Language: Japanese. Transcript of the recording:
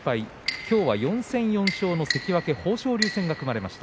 今日は４戦４勝の豊昇龍戦が組まれました。